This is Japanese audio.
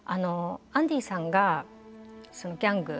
アンディさんがギャング